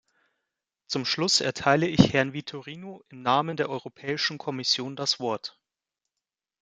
Zum Schluss erteile ich Herrn Vitorino im Namen der Europäischen Kommission das Wort.